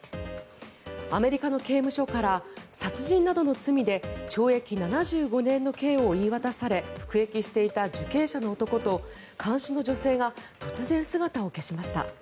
アメリカの刑務所から殺人などの罪で懲役７５年の刑を言い渡され服役していた受刑者の男と看守の女性が突然、姿を消しました。